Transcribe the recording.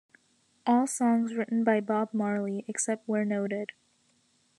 All songs written by Bob Marley, except where noted.